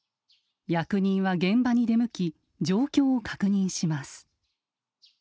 役人は現場に出向き状況を確認します。